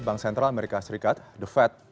bank sentral amerika serikat the fed